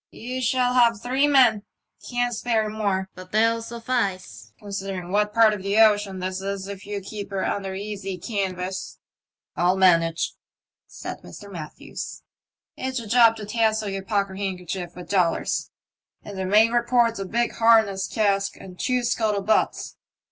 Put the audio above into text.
" You shall have three men — can't spare more ; but they'll suflftce, considering what part of the ocean this is, if you keep her under easy canvas." 12 TEE MYSTERY OF THE ''OCEAN 8TA1V' " 1*11 manage," said Mr. Matthews. " It's a job to tassel your pockethandkerchief with dollars, and the mate reports a big harness cask and two scuttle butts.